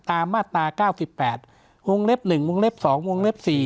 ตามมาตราเก้าสิบแปดวงเล็บหนึ่งวงเล็บสองวงเล็บสี่